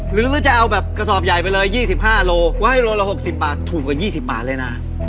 หรือจะเอาแบบกระสอบใหญ่ไปเลยยี่สิบห้าโลกว่าให้โลละหกสิบบาทถูกกว่ายี่สิบบาทเลยน่ะ